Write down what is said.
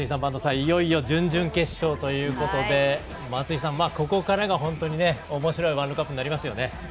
いよいよ、準々決勝ということで松井さん、ここからが本当におもしろいワールドカップになりますよね。